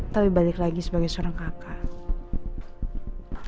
tapi balik lagi sebagai seorang kakak